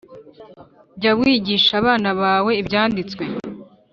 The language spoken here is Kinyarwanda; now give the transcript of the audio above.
Jya wigisha abana bawe ibyanditswe